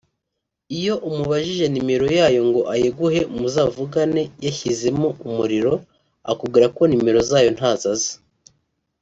Iyo umubajije nimero yayo ngo ayiguhe muzavugane yashyizemo umuriro akubwira ko nimero zayo ntazo azi